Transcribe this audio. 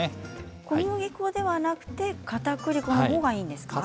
小麦粉じゃなくてかたくり粉がいいんですか？